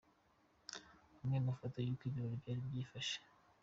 Amwe mu mafoto y’uko ibirori byari byifashe :.